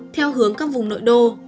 theo hướng các vùng nội đô